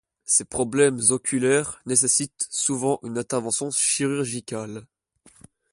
Ces problèmes oculaires nécessitent souvent une intervention chirurgicale.